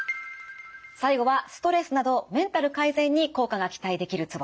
最後はストレスなどメンタル改善に効果が期待できるツボです。